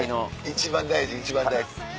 一番大事一番大事。